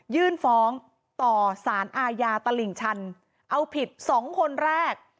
ยื่นฟ้องต่อสารอาญาตลิ่งชันเอาผิดสองคนแรก